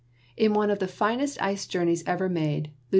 In one of the finest ice journeys ever made, Lieut.